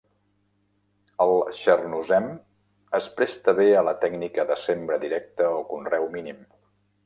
El txernozem es presta bé a la tècnica de sembra directa o conreu mínim.